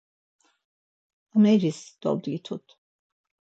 Ameris dobdgitut.